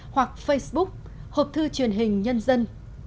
hoặc facebook com hộpthư truyền hình nhân dân